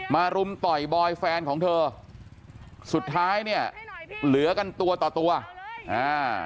รุมต่อยบอยแฟนของเธอสุดท้ายเนี่ยเหลือกันตัวต่อตัวอ่า